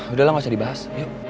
udah lah gak usah dibahas